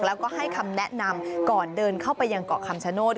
แล้วก็ให้คำแนะนำก่อนเดินเข้าไปยังเกาะคำชโนธ